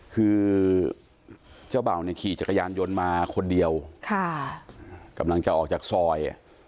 คือเจ้าเบ่าเนี่ยขี่จักรยานยนต์มาคนเดียวกำลังจะออกจากซอย